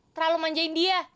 terlalu manjain dia